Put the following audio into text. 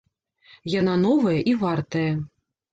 Яна новая і вартая.